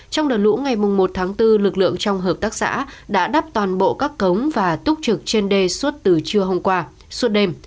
trong đợt lũ ngày một tháng bốn lực lượng trong hợp tác xã đã đắp toàn bộ các cống và túc trực trên đê suốt từ trưa hôm qua suốt đêm